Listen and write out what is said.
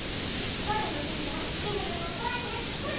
おばあちゃんのうちにいったらピンクのリボンかわいいねってほめてくれたの。